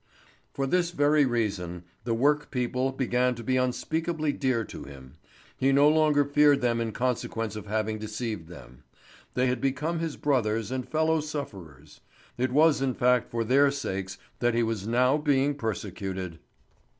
For this very reason the work people began to be unspeakably dear to him. He no longer feared them in consequence of having deceived them; they had become his brothers and fellow sufferers; it was in fact for their sakes that he was now being persecuted.